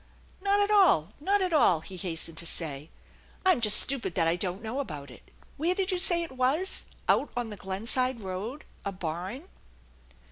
" Not at all, not at all," he hastened to say. " I'm just stupid that I don't know about it. Where did you say it was ? Out on the Glenside Road ? A barn